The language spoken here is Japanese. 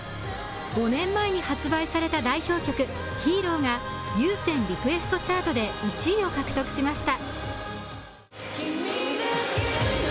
５年前に発売された代表曲「Ｈｅｒｏ」が有線リクエストチャートで１位を獲得しました。